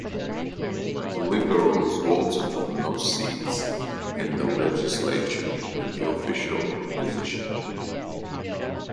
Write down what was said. The Liberals vaulted from no seats in the legislature to the Official Opposition.